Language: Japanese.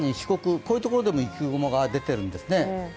こういうところにも雪雲が出ているんですね。